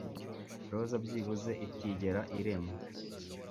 Roza byibuze itigera irema